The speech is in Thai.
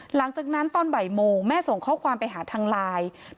หลังจากนั้นตอนบ่ายโมงแม่ส่งข้อความไปหาทางไลน์